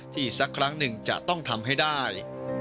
อีกสักครั้งหนึ่งจะต้องทำให้ได้